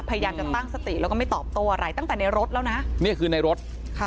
พยายามจะตั้งสติแล้วก็ไม่ตอบโต้อะไรตั้งแต่ในรถแล้วนะนี่คือในรถค่ะ